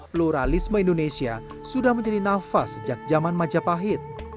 pluralisme indonesia sudah menjadi nafas sejak zaman majapahit